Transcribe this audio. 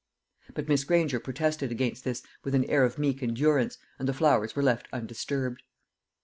But Miss Granger protested against this with an air of meek endurance, and the flowers were left undisturbed.